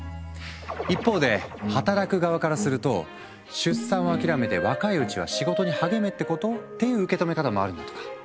一方で働く側からすると出産を諦めて若いうちは仕事に励めってこと？っていう受け止め方もあるんだとか。